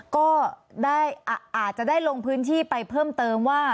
ก็อาจจะได้ลงพื้นที่ไปเพิ่มเติมว่า